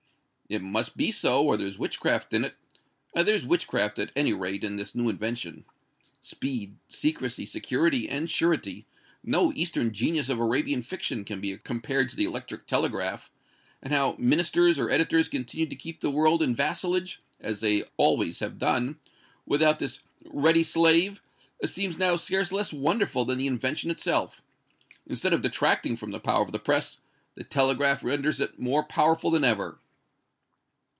"It must be so, or there's witchcraft in it. There's witchcraft, at any rate, in this new invention. Speed, secrecy, security and surety no eastern genius of Arabian fiction can be compared to the electric telegraph; and how Ministers or editors continued to keep the world in vassalage, as they always have done, without this ready slave, seems now scarce less wonderful than the invention itself. Instead of detracting from the power of the press, the telegraph renders it more powerful than ever."